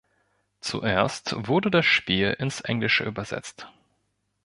Zuerst wurde das Spiel ins Englische übersetzt.